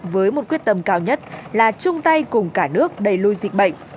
với một quyết tâm cao nhất là chung tay cùng cả nước đẩy lùi dịch bệnh